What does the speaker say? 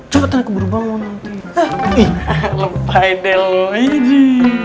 cepetan aku baru bangun nanti